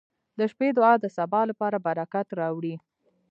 • د شپې دعا د سبا لپاره برکت راوړي.